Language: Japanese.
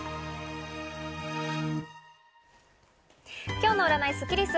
今日の占いスッキリす。